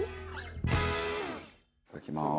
いただきます。